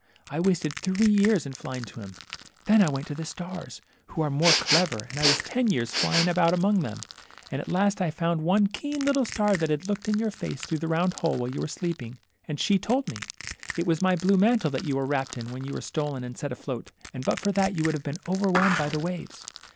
I wasted three years in flying to him. Then I went to the stars, who are more clever, and I was ten years flying about among them, and at last I found one keen httle star that had looked in your face through the round hole while you were sleeping, and she told me. It was my blue mantle that you were wrapped in when you were stolen and set afloat, and but for that you would have been overwhelmed by the waves.